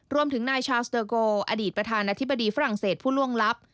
รวมถึงนายชาวสเตอร์โกอดีตประธานาธิบดีฝรั่งเศสผู้ล่วงลับ